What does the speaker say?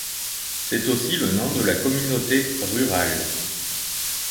C'est aussi le nom de la communauté rurale.